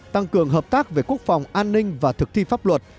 năm ba tăng cường hợp tác về quốc phòng an ninh và thực thi pháp luật